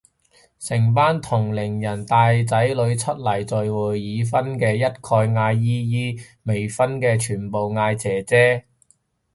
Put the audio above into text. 成班同齡人帶仔女出嚟聚會，已婚嘅一概嗌姨姨，未婚嘅全部嗌姐姐